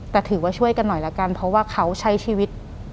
แต่ถือว่าช่วยกันหน่อยละกันเพราะว่าเขาใช้ชีวิต